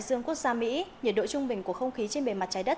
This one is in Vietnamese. dương quốc gia mỹ nhiệt độ trung bình của không khí trên bề mặt trái đất